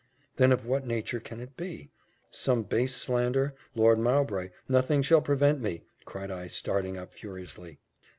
"Then of what nature can it be? Some base slander Lord Mowbray Nothing shall prevent me!" cried I, starting up furiously.